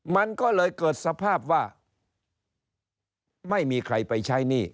มันก็เลยเกิดสภาพว่าไม่มีใครไปใช้หนี้